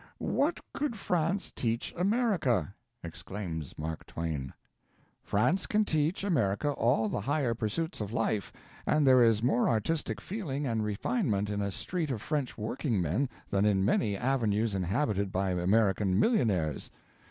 ["What could France teach America!" exclaims Mark Twain. France can teach America all the higher pursuits of life, and there is more artistic feeling and refinement in a street of French workingmen than in many avenues inhabited by American millionaires.